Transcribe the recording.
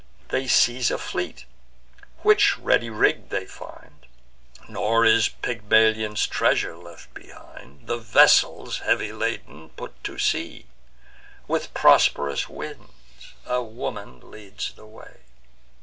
They seize a fleet, which ready rigg'd they find; Nor is Pygmalion's treasure left behind. The vessels, heavy laden, put to sea With prosp'rous winds; a woman leads the way.